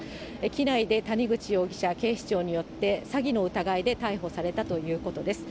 機内で谷口容疑者は警視庁によって、詐欺の疑いで逮捕されたということです。